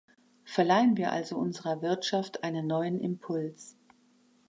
Verleihen wir also unserer Wirtschaft einen neuen Impuls!